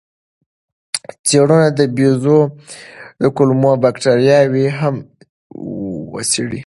څېړونکو د بیزو کولمو بکتریاوې هم وڅېړې.